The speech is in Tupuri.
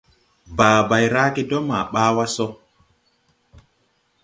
Bàa bay rage dɔɔ ma ɓaa wà sɔ.